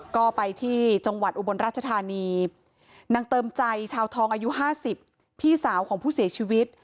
ก็ไปที่จังหวัดอุบลราชธานีนางเติมใจชาวทองอายุ๕๐พี่สาวของผู้เสียชีวิต